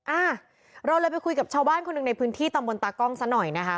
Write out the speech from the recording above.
อ่าเราเลยไปคุยกับชาวบ้านคนหนึ่งในพื้นที่ตำบลตากล้องซะหน่อยนะคะ